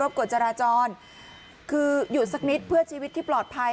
กฎจราจรคือหยุดสักนิดเพื่อชีวิตที่ปลอดภัย